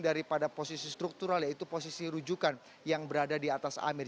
daripada posisi struktural yaitu posisi rujukan yang berada di atas amir